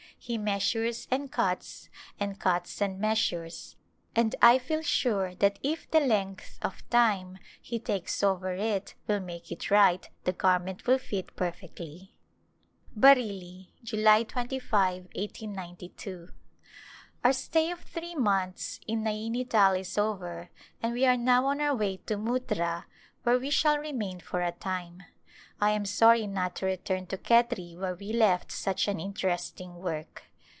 He measures and cuts and cuts and measures, and I feel sure that if the length of time he takes over it will make it right the garment will fit perfectly. Bareilly^ July 25, 18^2. Our stay of three months in Naini Tal is over and we are now on our way to Muttra where we shall remain for a time. I am sorry not to return to Khetri where we left such an interesting work.